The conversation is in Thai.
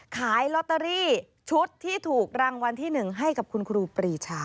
ขายลอตเตอรี่ชุดที่ถูกรางวัลที่๑ให้กับคุณครูปรีชา